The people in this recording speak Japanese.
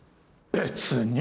別に？